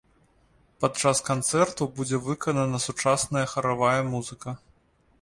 Падчас канцэрту будзе выканана сучасная харавая музыка.